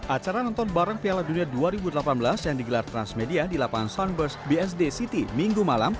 acara nonton bareng piala dunia dua ribu delapan belas yang digelar transmedia di lapangan sunburst bsd city minggu malam